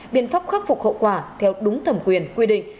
biện pháp khắc phục hậu quả theo đúng thẩm quyền quy định